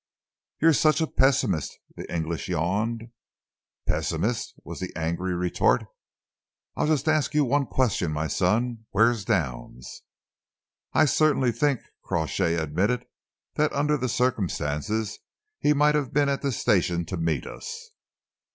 "You're such a pessimist," the Englishman yawned. "Pessimist!" was the angry retort. "I'll just ask you one question, my son. Where's Downs?" "I certainly think," Crawshay admitted, "that under the circumstances he might have been at the station to meet us."